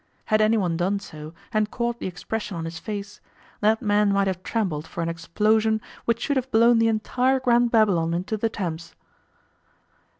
Had anyone done so, and caught the expression on his face, that man might have trembled for an explosion which should have blown the entire Grand Babylon into the Thames.